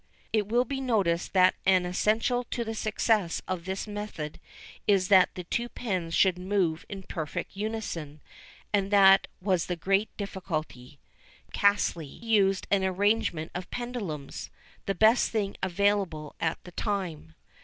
It will be noticed that an essential to the success of this method is that the two pens should move in perfect unison, and that was the great difficulty. Caselli used an arrangement of pendulums, the best thing available at the time.